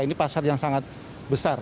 ini pasar yang sangat besar